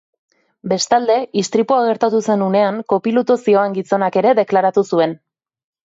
Bestalde, istripua gertatu zen unean kopilotu zihoan gizonak ere deklaratu zuen.